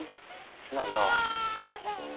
すまんのう。